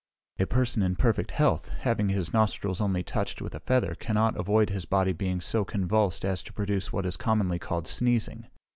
A person in perfect health, having his nostrils only touched with a feather, cannot avoid his body being so convulsed as to produce what is commonly called sneezing.